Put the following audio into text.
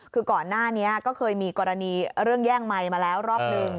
คือก่อนหน้านี้ก็เคยมีกรณีเรื่องแย่งไมค์มาแล้วรอบหนึ่ง